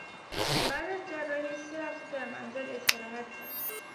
بعد از جراحی سه هفته در منزل استراحت کرد.